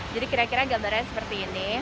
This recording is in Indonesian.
jadi kira kira gambarnya seperti ini